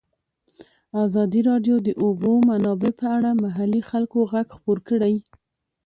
ازادي راډیو د د اوبو منابع په اړه د محلي خلکو غږ خپور کړی.